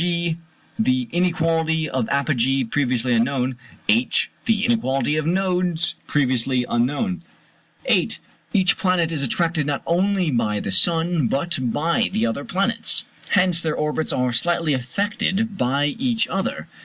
(g) The inequality of apogee, previously unknown. (h) The inequality of nodes, previously unknown. 8. Each planet is attracted not only by the sun but by the other planets, hence their orbits are slightly affected by each other.